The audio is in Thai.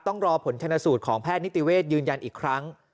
ต้องรอผลชนสูตรของแพทย์นิติเวทยืนยันอีกครั้ง